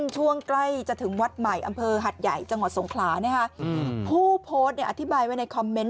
จังหวะสงขลาผู้โพสอธิบายไว้ในคอมเมนต์